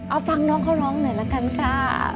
เอาฟังน้องเขาร้องหน่อยละกันค่ะ